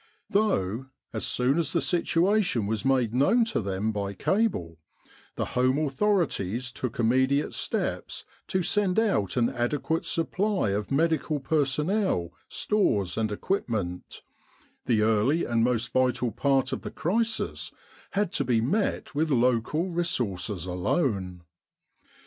Though, as soon as the situation was made known to them by cable, the home authorities took immediate steps to send out an adequate supply of medical personnel, stores, and equipment, the early and most vital part of the crisis had to be met with local resources alone.